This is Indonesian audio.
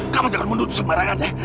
kamu jangan mundur semarang aja